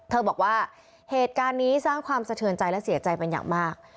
บอกว่าเหตุการณ์นี้สร้างความสะเทือนใจและเสียใจเป็นอย่างมาก